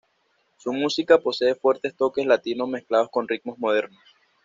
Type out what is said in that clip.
Su música posee fuertes toques latinos mezclados con ritmos modernos.